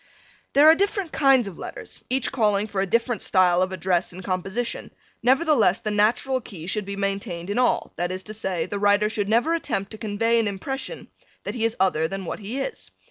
There are different kinds of letters, each calling for a different style of address and composition, nevertheless the natural key should be maintained in all, that is to say, the writer should never attempt to convey an impression that he is other than what he is.